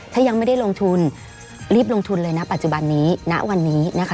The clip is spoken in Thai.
ถ้ายังไม่ได้ลงทุนรีบลงทุนเลยนะปัจจุบันนี้ณวันนี้นะคะ